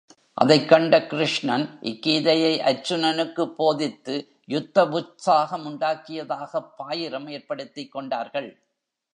அதைக் கண்ட கிருஷ்ணன் இக்கீதையை அர்ச்சுனனுக்குப் போதித்து யுத்தவுச்சாகம் உண்டாக்கியதாகப் பாயிரம் ஏற்படுத்திக் கொண்டார்கள்.